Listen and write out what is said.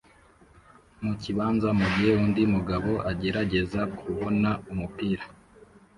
mukibanza mugihe undi mugabo agerageza kubona umupira